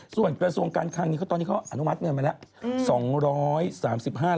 ส่วนกระทรวงการคลังนี้ตอนนี้เขาอนุมัติเงินไปแล้ว